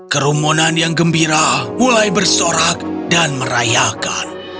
kerumunan yang gembira mulai bersorak dan merayakan